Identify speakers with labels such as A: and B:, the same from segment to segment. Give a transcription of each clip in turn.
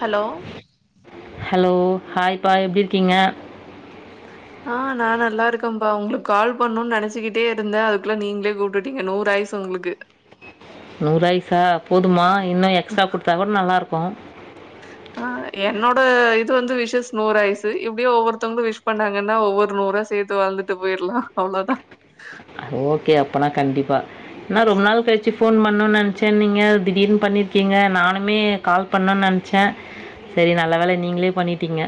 A: hello
B: hello ஹாய்ப்பா எப்டி இருக்கீங்க
A: ஆ நா நல்லா இருக்கம்ப்பா உங்குளுக்கு கால் பண்ணணு நெனைச்சுகிட்டே இருந்த அதுக்குள்ள நீங்களே கூப்டுட்டீங்க நூறு ஆயுசு உங்குளுக்கு
B: நூறாயுசா போதுமா இன்னு எக்ஸ்ட்ரா குடுத்தா கூட நல்லாருக்கு பா
A: ஆ என்னோட இ து வந்து விஷஸ் நூறு ஆயுசு இப்டியே ஒவ்வொருத்தவுங்களு விஷ் பண்ணாங்கன்னா ஒவ்வொரு நூரா சேத்து வாழ்ந்துட்டு போயிருலா அவ்ளோதா
B: என்னா ரொம்ப நாள் கழிச்சு ஃபோன் பண்ணுனு நெனச்சேன்னிங்க திடீர்னு பண்ணிருக்கீங்க நானுமே கால் பண்ணுன் நனைச்சே செரி நல்ல வேல நீங்களே பண்ணிட்டீங்க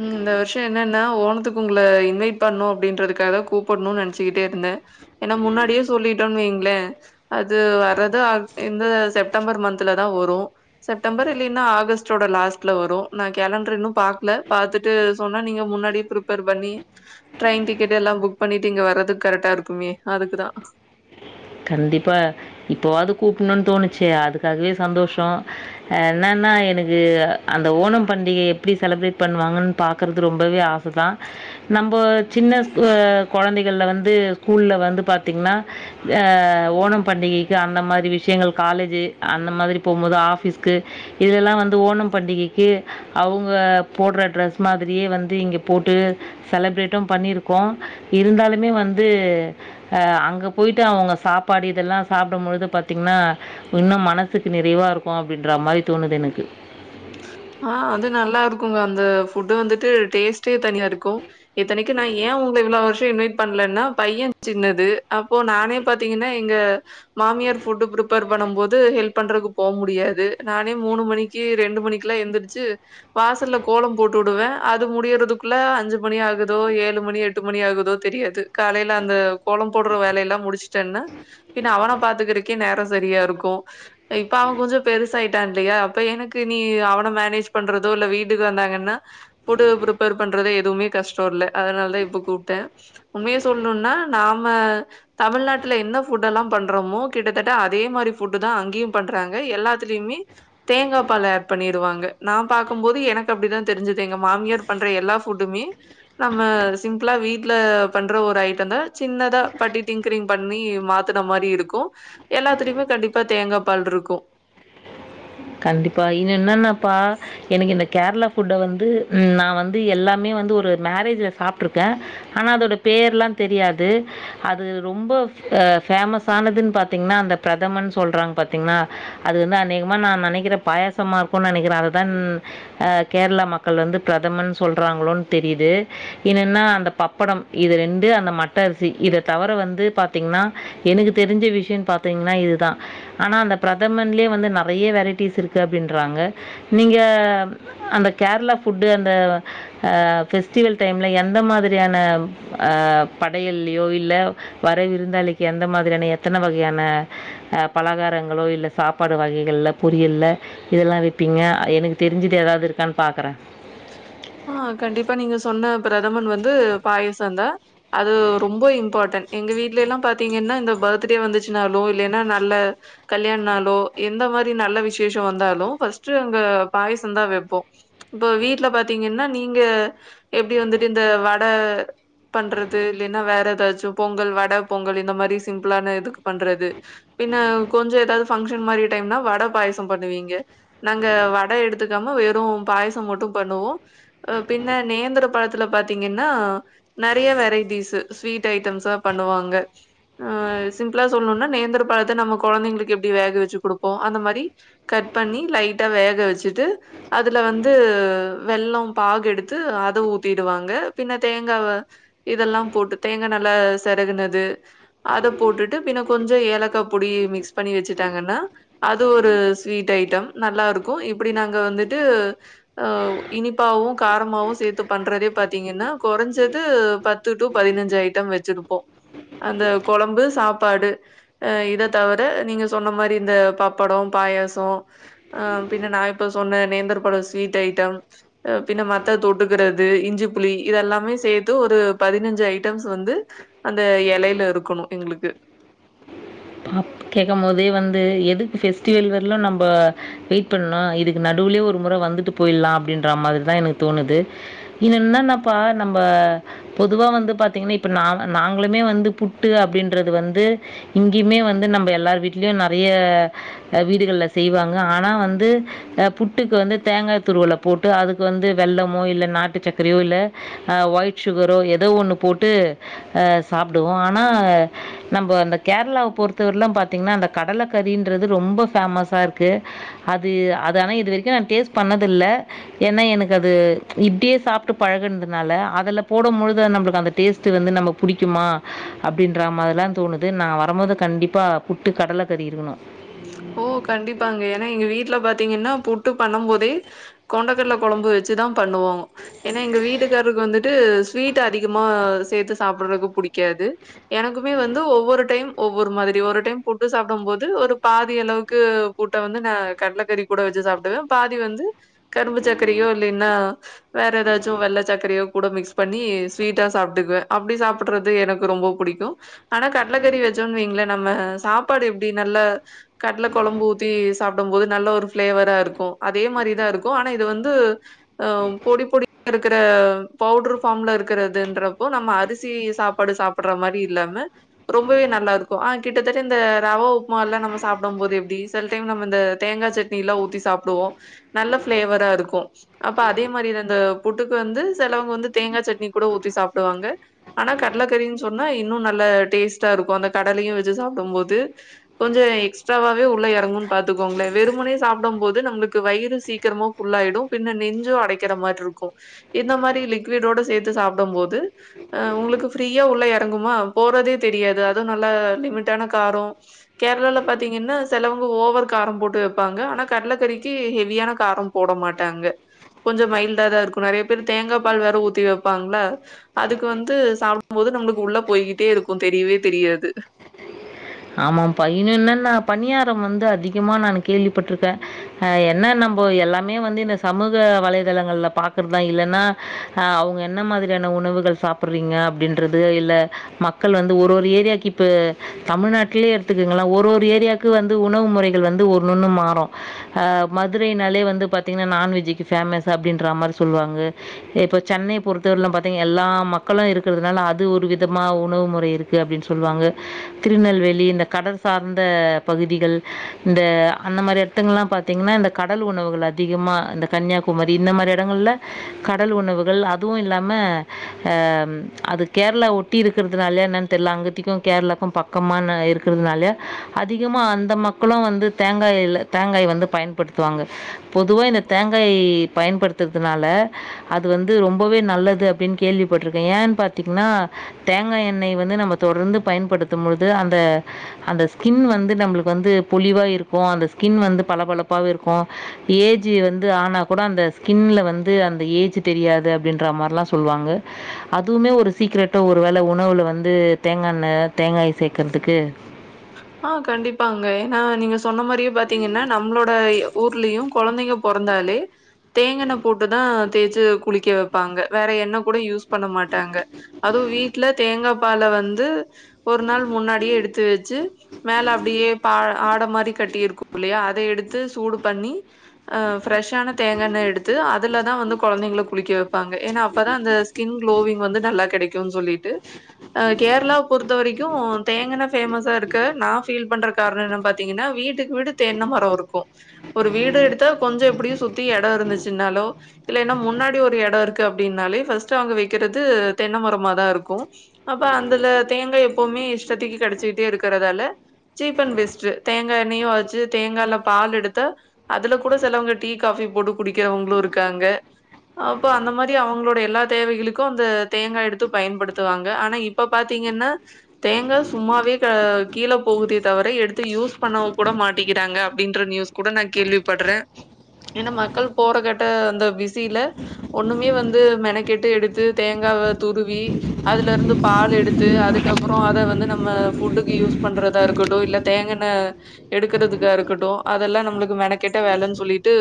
A: ம் இந்த வருஷோ என்னன்னா ஓனத்துக்கு உங்கள இன்வைட் பண்ணு அப்படின்றதுக்காகதா கூப்படணு நெனைச்சுகிட்டே இருந்தே ஏன்னா முன்னாடியே சொல்லிட்டோன் வைங்களே அது வரது அ இந்த செப்டம்பர் மந்த்லதா வரு செப்டம்பர் இல்லைன்னா ஆகஸ்ட்டோட லாஸ்ட்ல வரு நா கேலண்டர இன்னு பாக்ல பாத்துட்டு சொன்னா நீங்க முன்னாடியே ப்ரிப்பேர் பண்ணி ட்ரெயின் டிக்கெட் எல்லா புக் பண்ணிட்டு இங்க வரதுக்கு கரெக்டா இருக்குமே அதுக்குதா
B: கண்டிப்பா இப்பவாது கூப்புடணுன் தோணுச்சே அதுக்காகவே சந்தோஷ அ என்னன்னா எனக்கு அந்த ஓணம் பண்டிகை எப்படி செலப்ரேட் பண்ணுவாங்கன்னு பாக்கறது ரொம்பவே ஆசதா நம்ப சின்ன சு கொழந்தைகள்ல வந்து ஸ்கூல்ல வந்து பாத்தீங்ன்னா அ ஓணம் பண்டிகைக்கு அந்த மாரி விஷயங்கள் காலேஜு அந்த மாதிரி போகும்போது ஆஃபீஸ்க்கு இதிலெல்லா வந்து ஓணம் பண்டிகைக்கு அவுங்க போடற ட்ரெஸ் மாதிரியே வந்து இங்க போட்டு செலப்ரேட்டும் பண்ணியிருக்கோ இருந்தாலுமே வந்து அங்க போயிட்டு அவங்க சாப்பாடு இதெல்லா சாப்டும் பொழுது பாத்திங்ன்னா இன்னு மனசுக்கு நிறைவா இருக்கு அப்படின்ற மாரி தோணுது எனக்கு
A: ஆ அது நல்லா இருக்குங்க அந்த ஃபுட்டு வந்துட்டு டேஸ்ட்டே தனியா இருக்கு இத்தனைக்கு நா ஏ உங்கள இவ்ளோ வருஷோ இன்வைட் பண்லன்னா பைய சின்னது அப்போ நானே பாத்தீங்கன்னா எங்க மாமியார் ஃபுட்டு பிரிப்பர் பண்ணும் போது ஹெல்ப் பண்றக்கு போ முடியாது நானே மூணு மணிக்கு ரெண்டு மணிக் ட்ல எந்திரிச்சு வாசல்ல கோலம் போட்டுடுவே அது முடியறதுக்குள்ள அஞ்சு மணி ஆகுதோ ஏழு மணி எட்டு மணி ஆகுதோ தெரியாது காலையில அந்த கோலம் போட்ற வேலையெல்லாம் முடிச்சட்டன்னா பின்ன அவன பாத்துக்கறக்கே நேரோ சரியாருக்கூ இப்ப அவ கொஞ்சோ பெருசாயிட்டான்ல்லையா அப்ப எனக்கு நீ நீ அவன மேனேஜ் பண்றதோ இல்ல வீட்டுக்கு வந்தாங்கன்னா ஃபுட்டு ப்ரிபேர் பண்றது எதுமே கஷ்டோ இல்ல அதனால் தா இப்ப கூப்ட்டே உண்மைய சொல்ணுன்னா நாம தமிழ்நாட்டுல என்ன ஃபுட்டு எல்லாம் பண்றமோ கிட்டத்தட்ட அதே மாரி ஃபுட்டு தா அங்கியு பண்றாங்க எல்லாத்திலிமே தேங்கா பால் ஏ பண்ணிருவாங்க நா பாக்கம் போது எனக்கு அப்டிதா தெரிஞ்சுது எங்க மாமியார் பண்ற எல்லா ஃபுட்டுமே நம்ம சிம்பிளா வீட்ல பண்ற ஒரு ஐட்டந்தா சின்னதா பட்டி டிங்க்ரிங் பண்ணி மாத்துன மாரி இருக்கு எல்லாத்திலிமே கண்டிப்பா தேங்கா பால் இருக்கு
B: கண்டிப்பா இது என்னன்னாப்பா எனக்கு இந்த கேர்ளா ஃபுட்ட வந்து நா வந்து எல்லாமே வந்து ஒரு மேரேஜ்ல சாப்ட்டுருக்கே ஆனா அதோட பேர்லாந் தெரியாது அது ரொம்ப ஃப் அ ஃபேமஸ் ஆனதுன் பாத்திங்ன்னா அந்த பிரதமன் சொல்றாங் பாத்திங்ளா அது வந்து அநேகமா நா நா நெனைக்கிறே பாயாசமா இருக்கு நெனைக்கிறே அததன் அ கேர்ளா மக்கள் வந்து பிரதமன் சொல்றாங்ளோன் தெரிது இன்னென்னா அந்த பப்படம் இது ரெண்டு அந்த மட்ட அரிசி இத தவர வங்து பாத்திங்ன்னா எனுக்கு தெரிஞ்ச விஷ்யன் பாத்திங்ன்னா இதுதா ஆனா அந்த பிரதமன்லே வந்து நறைய வெரை ட்டீஸ் இருக்கு அப்டின்றாங்க நீங்க அந்த கேரளா ஃபுட்டு அந்த அ ஃபெஸ்டிவல் டைம்ல எந்த மாதிரியான ப் அ படையல்லியோ இல்ல வர விருந்தாளிக்கு எந்த மாதிரியான எத்தன வகையான அ பலகாரங்களோ இல்ல சாப்பாடு வகைகள்ல பொரியல்ல இதெல்லா வெப்பீங்க எனுக் தெரிஞ்சிது எதாவ்து இருக்கான் பாக்கறே
A: ஆ கண்டிப்பா நீங்க சொன்ன பிரதமன் வந்து பாயசந்தா அது ரொம்போ இம்பாட்டன் எங்க வீட்ல எல்லாம் பாத்திங்கன்னா இந்த பத்டே வந்துச்சுனாலு இல்லீன்னா நல்ல கல்யாண் நாளோ எந்த மாரி நல்ல விஷேஷோ வந்தாலு ஃபஸ்ட்டு அங்க பாயசந்தா வெப்போ இப்ப வீட்ல பா த்திங்கன்னா நீங்க எப்டி வந்துட்டு இந்த வட பண்றது இல்லீனா வேற எதாச்சு பொங்கல் வட பொங்கல் இந்த மாரி சிம்ப்ளான இதுக்கு பண்றது பின்ன கொஞ்சோ எதாது ஃபங்க்ஷன் மாரி டைம்னா வட பாயசம் பண்ணுவீங்க நாங்க வட எடுத்துக்காம வெறு பாயசம் மட்டு பண்ணுவோ அ பின்ன நேந்திர பழத்துல பாத்திங்கன்னா நறைய வெரைட்டீசு ஸ்வீட் ஐட்டம்ஸா பண்ணுவாங்க அ சிம்ப்ளா சொல்ணுண்ணா நேந்திர பழத்த நம்ம கொழந்தைங்களுக்கு எப்டி வேக வெச்சு குடுப்போ அந்த மாரி கட் பண்ணி லைட்டா வேக வெச்சுட்டு அதுல வந்து வெல்லம் பாகு எடுத்து அத ஊத்திடுவாங்க பின்ன தேங்கா வ இதெல்லாம் போட்டு தேங்கா நல்லா செரகுனது அத போட்டுட்டு பின்ன கொஞ்சோ ஏலக்கா பொடி மிக்ஸ் பண்ணி வெச்சுட்டாங்கன்னா அது ஒரு ஸ்வீட் ஐட்டம் நல்லாருக்கு இப்டி நாங்க வந்துட்டு அ இனிப்பாவு காரமாவு சேத்து பண்றதே பாத்திங்கன்னா கொறைஞ்சது பத்து டு பதினஞ்சு ஐட்டம் வெச்சுருப்போ அந்த கொழம்பு சாப்பாடு அ இத தவர நீங்க சொன்ன மாரி இந்த பப்படோ பாயாசோ அ பின்ன நா இப்போ சொன்ன நேந்திர பழோ ஸ்வீட் ஐட்டம் அ பின்ன மத்த தொட்டுக்கறது இஞ்சிப்புளி இதெல்லாமே சேத்து ஒரு பதினஞ்சு ஐட்டம்ஸ் வந்து அந்த எலையில இருக்குணு எங்ளுக்கு
B: கேக்கம் மோதே வந்து எதுக்கு பெஸ்டிவல் வர்லு நம்பொ வெயிட் பண்ணு இதுக்கு நடுவுலே ஒரு முற வந்துட்டு போயில்லா அப்டின்ற மாதிரிதா எனுக் தோணுது இதென்னன்னப்பா நம்ப பொதுவா வந்து பாத்திங்கன்ன இப்ப நா நாங்ளுமே வந்து புட்டு அப்டின்றது வந்து இங்கிமே வந்து ந ப்ப எல்லார் வீட்லியு நறைய அ வீடுகள்ல செய்வாங்க ஆனா வந்து அ புட்டுக்கு வந்து தேங்காய் துருவல போட்டு அதுக்கு வந்து வெல்லமோ இல்ல நாட்டு சக்கரையோ இல்ல அ ஒய்ட் சுகரோ எதோ ஒன்னு போட்டு அ சாப்டுவோ ஆனா நம்போ அந்த கேர்ளாவ பொறுத்தவர்லு பாத்திங்ன்னா அந்த கடலக்கறின்றது ரொம்ப ஃபேமசாருக்கு அது அது ஆனா இது வரைக்கு நா டேஸ் பண்ணதில்ல ஏன்னா எனுக்கு அது இப்டியே சாப்ட்டு பழகுதுன்தனால அதல போடம்பொழுது அது நம்பளுக்கு அந்த டேஸ்ட்டு வந்து நம்ம புடிக்குமா அப்டின்றா மாரிலா தோணுது நா வரமோது கண்டிப்பா புட்டு கடல கறி இருகுணு
A: ஓ கண்டிப்பாங்க ஏனா எங்க வீட்ல பாத்திங்கன்னா புட்டு பண்ணம் போதே கொண்டக்கடல கொழம்பு வெச்சுதா பண்ணுவோ ஏனா எங்க வீட்டுக்கார்ருக்கு வந்துட்டு ஸ்வீட் அதிகமா சேத்து சாப்பட்றக்கு புடிக்காது எனக்குமே வந்து ஒவ்வொரு டைம் ஒவ்வொரு மாதிரி ஒரு டைம் புட்டு சாப்டம் போது ஒரு பாதி அளவுக்கு ஃபுட்ட வந்து நா கட்லக்கறி கூட வெச்சு சாப்டுவே பாதி வந்து கரும்பு சக்கரையோ இல்லீன்னா வேற எதாச்சு வெள்ள சக்கரையோ கூட மிக்ஸ் பண்ணி ஸ்வீட்டா சாப்ட்டுக்குவே அப்டி சாப்பட்றது எனக்கு ரொம்ப புடிக்கு ஆனா கட்லக்கறி வெச்சோன் வெய்ங்ளே நம்ம சாப்பாடு எப்டி நல்ல கட்ல கொழம்பு ஊத்தி சாப்டம் போது நல்ல ஒரு ஃபிளேவரா இருக்கு அதே மாரிதா இருக்கு ஆனா இது வந்து அ பொடி பொடி இருக்கற பவுடர் ஃபாம்ல இருக்கறதுன்றப்போ நம்ம அரிசி சாப்பாடு சாப்பட்ற மாரி இல்லாம ரொம்பவே நல்லாருக்கு ஆ கிட்டத்தட்ட இந்த ரவ உப்மால்லா நம்ம சாப்டம் போது எப்டி சில டைம் நம்ம இந்த தேங்கா சட்னி எல்லா ஊத்தி சாப்டுவோ நல்ல ஃபிளேவரா இருக்கு அப்ப அதே மாரிதா அந்த புட்டுக்கு வந்து செலவங்க வந்து தேங்கா சட்னி கூட ஊத்தி சாப்டுவாங்க ஆனா கட்லக்கறின் சொன்னா இன்னு நல்ல டேஸ்ட்டா இருக்கு அந்த கடலையு வெச்சு சாப்டும் போது கொஞ்சோ எ க்ஸ்ட்ராவாவே உள்ள எறங்குன் பாத்தக்கோங்ளே வெறுமுனே சாப்டம் போது நம்முளுக்கு வயிறு சீக்கிரமா ஃபுல்லாயிடு பின்ன நெஞ்சு அடைக்கிற மார்ருக்கு இந்த மாரி லிக்விடோட சேத்து சாப்டம் போது அ உங்குளுக்கு ஃப்ரீயா உள்ள எறங்குமா போறதே தெரியாது அது நல்லா லிமிட்டான காரோ கேர்ளால பா த்திங்கன்னா செலவங்க ஓவர் காரம் போட்டு வெப்பாங்க ஆனா கட்லக்கறிக்கி ஹெவியான காரம் போட மாட்டாங்க கொஞ்சோ மைல்டா தா இருக்கு நறைய பேரு தேங்கா பால் வேற ஊத்தி வெப்பாங்ளா அதுக்கு வந்து சாப்ம் போது நம்ளுக்கு உள்ள போய்கிட்டே இருக்கு தெரிவே தெரியாது
B: ஆமாம் பா இன்னென்னன்னா பணியாரம் வந்து அதிகமா நானு கேள்விப்பட்ருக்கே அ என்ன நம்போ எல்லாமே வந்து இந்த சமூக வலைதளங்கள்ல பாக்குறதா இல்லன்னா அ அவுங்க என்ன மாதிரியான உணவுகள் சாப்பட்றீங்க அப்டின்றது இல்ல மக்கள் வந்து ஒரு ஒரு ஏரியாக்கு இப்பு தமிழ்நா ட்லியே எடுத்துக்குங்ளே ஒரு ஒரு ஏரியாக்கு வந்து உணவு முறைகள் வந்து ஒண்ணு ஒண்ணு மாறு அ மதுரைனாலே வந்து பாத்திங்கனா நான்வெஜ்ஜுக்கு ஃபேமஸு அப்டின்றா மாரி சொல்வாங்க இப்ப சென்னை பொறுத்தவரிலு பாத்திங் எல்லா மக்களு இருக்கறதுனால அது ஒரு விதமா உணவு முறை இருக்கு அப்டின் சொல்வாங்க திருநெல்வே லி இந்த கடர் சார்ந்த பகுதிகள் இந்த அந்த மாரி எடத்துங்கல்லா பாத்திங்ன்னா இந்த கடல் உணவுகள் அதிகமா இந்த கன்யாகுமரி இந்த மாரி எடங்கள்ல கடல் உணவுகள் அதுவு இல்லாம அம் அது கேர்ளா ஒட்டி இருக்கறதுனால்யா என்னன் தெர்ல அங்கிதிக்கு கேர்ளாக்கு பக்கமா என்ன அ இருக்கறதுனால்யா அதிகமா அந்த மக்களு வந்து தேங்காய்ல தேங்காய் வந்து பயன்படுத்துவாங்க பொதுவா இந்த தேங்காய் பயன்படுத்துறதுனால அது வந்து ரொம்பவே நல்லது அப்டின் கேள்விப்பட்ருக்கே ஏன் பாத்திங்ன்னா தேங்காய் எண்ணெய வந்து நம்ம தொடர்ந்து பயன்படுத்தும் பொழுது அ ந்த அந்த ஸ்கின் வந்து நம்புளுக்கு வந்து பொலிவா இருக்கு அந்த ஸ்கின் வந்து பளபளப்பாவே இருக்கு ஏஜ்ஜு வந்து ஆனா கூட அந்த ஸ்கின்ல வந்து அந்த ஏஜ் தெரியாது அப்டின்றா மார்லா சொல்வாங்க அதுவுமே ஒரு சீக்ரெட்டு ஒரு வேல உணவுல வந்து தேங்காண்ண தேங்காய் சே க்கறதுக்கு
A: ஆ கண்டிப்பாங்க ஏனா நீங்க ஸ் சொன்ன மாரியே பாத்திங்கன்னா நம்ளோட ஊர்லியு கொழைந்தங்க பொறந்தாலே தேங்கெண்ண போட்டுதா தேச்சு குளிக்க வெப்பாங்க வேற எண்ண கூட யூஸ் பண்ண மாட்டாங்க அதுவு வீட்ல தேங்கா ப்பால வந்து ஒரு நாள் முன்னாடியே எடுத்து வெ ச்சு மேல அப்டியே பால் ஆட மாரி கட்டிருக்குல்லயா அத எடுத்து சூடு பண்ணி அ ஃப்ரஷ்ஷான தேங்கண்ண எடுத்து அதுலதா வந்து கொழந்தங்கள குளிக்க வெப்பாங்க ஏனா அப்பதா வந்து ஸ்கின் க்ளோவிங் வந்து நல்லா கெடைக்குன் சொல்லிட்டு அ கேர்ளாவ் பொறுத்த வரைக்கு தேங்கெண்ண ஃபேம ஸாருக்க நா ஃபீல் பண்ற கார்ணோ என்னன் பாத்திங்கன்னா வீட்டுக்கு வீடு தென்ன மரோ இருக்கு ஒரு வீடு எடுத்தா கொஞ்சோ எப்டியு சுத்தி எடோ இருந்துச்சுன்னாலோ இல்லைனா முன்னாடி ஒரு எடோ இருக்கு அப்டின்னாலே ஃபஸ்டு அவுங்க வெக்கிறது தென்ன மரமா தா இருக்கு அப்ப அந்துல தேங்கா எப்புமே இஷ்டத்திக்கி கெடைச்சிட்டேருக் க்கிறதால சீப் அண் ஃபெஸ்டு தேங்கா எண்ணெயு ஆச்சு தேங்கால பால் எடுத்தா அதுல கூட சிலவங்க டீ காஃபி போட்டு குடிக்கிறவங்குளு இருக்காங்க அப்ப அந்த மாரி அவுங்களோட எல்லா தேவைகளுக்கு அந்த தேங்கா எடுத்து பயன்படுத்துவாங்க ஆனா இப்ப பாத்திங்கன்னா தேங்கா சும்மாவே ட்ட கீழே போகுதே தவர எடுத்து யூஸ் பண்ணவு கூட மாட்டிகிறாங்க அப்டின்ற நியூஸ் கூட நா கேள்விப்பட்றே ஏனா மக்கள் போற கட்ட அந்த பிசில ஒண்ணுமே வந்து மெனக்கெட்டு எடுத்து தேங்காவ துருவி அதுல இருந்து பால் எடுத்து அதுக்கப்புறோ அத வந்து நம்ம ஃபுட்டுக்கு யூஸ் பண்றதா இருக்கட்டு இல்ல தேங்கெண்ண எடுக்குறதுக்கா இருக்கட்டு அதெல்லா நம்முளுக்கு மெனக்கெட்ட வேலன் சொல்லிட்டு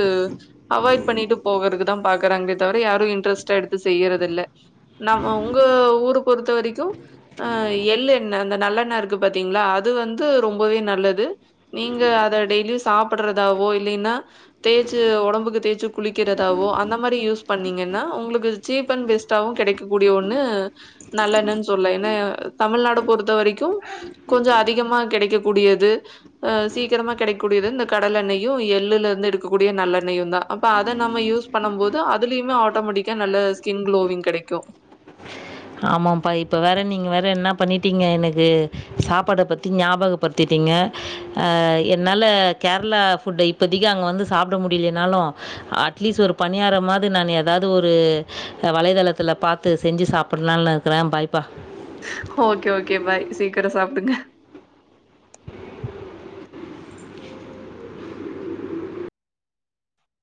A: அவாய்ட் பண்ணிட்டு போகற்குதா பாக்குறாங்களே தவிர யாரு இன்ட்ரெஸ்ட்டா எடுத்து செய்யறது இல்ல நம் உங்க ஊர பொறுத்த வரிக்கு அ எள்ளு எண்ணெ அந்த நல்லெண்ண இரு க்கு பாத்திங்ளா அது வந்து ரொம்பவே நல்லது நீங்க அத டெய்லியு சாப்பட்றதாவோ இல்லீன்னா தேய்ச்சு ஒடம்புக்கு தேய்ச்சு குளிக்கிறதாவோ அந்த மாரி யூஸ் பண்ணீங்கன்னா உங்ளுக்கு சீப் அண் பெஸ்டாவு கெடைக்கக்கூடிய ஒண்ணு நல்லெண்ணன் சொல்ல என்னய தமிழ்நாடு பொறுத்த வரிக்கூ கொஞ்சோ அதிகமா கெடைக்க கூடியது அ சீக்கிரமா கெடைக்கூடியது இந்த கடல எண்ணெயு எள்ளுலந்து எடுக்கக்கூடிய நல்லெண்ணையுந்தா அப்ப அத நம்ம யூஸ் பண்ணம் போது அதுலியுமே ஆட்டோமேட்டிக்கா நல்ல ஸ்கின் க்ளோவிங் கெடைக்கு
B: ஆமாம்ப்பா இப்ப வேற நீங்க வேற என்ன பண்ணீட்டிங்க எனுக்கு சாப்பாட்ட பத்தி ஞாபகப்பட்த்திட்டீங்க அ என்னால கேர்ளா ஃபுட்ட இப்பத்திக்கு அங்க வந்து சாப்ட முடிலினாலு அட்லீஸ்ட் ஒரு பணியாரமாவ்து நான் எதாது ஒரு வலைதளத்துல பாத்து செஞ்சு சா ப்பட்லான் இருக்குறே பாய்ப்பா
A: ஓகே ஓகே பாய் சீக்கரொ சா துங்க